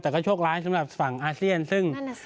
แต่ก็โชคร้ายสำหรับฝั่งอาเซียนซึ่ง